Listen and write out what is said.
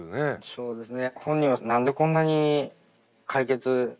そうですね。